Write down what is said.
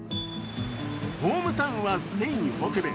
ホームタウンはスペイン北部